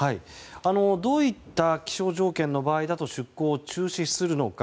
どういった気象条件の場合だと、出航を中止するのか。